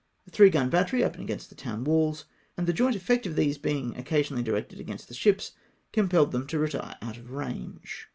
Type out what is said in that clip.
A 3 gun battery opened against the town walls, and the joint effect of these being occasionally dkected against the ships compelled them to retire out of range.